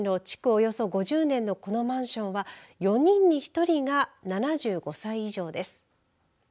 およそ５０年のこのマンションは４人に１人が７５歳以上です。